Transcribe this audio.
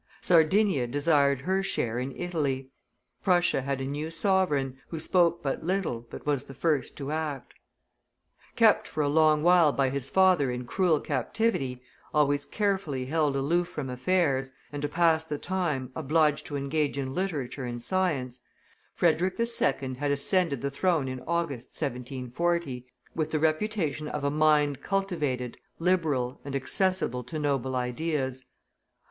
Sardinia desired her share in Italy. Prussia had a new sovereign, who spoke but little, but was the first to act. Kept for a long while by his father in cruel captivity, always carefully held aloof from affairs, and, to pass the time, obliged to engage in literature and science, Frederick II. had ascended the throne in August, 1740, with the reputation of a mind cultivated, liberal, and accessible to noble ideas.